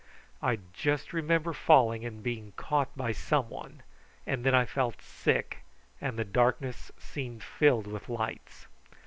I just remember falling and being caught by some one, and then I felt sick, and the darkness seemed filled with lights.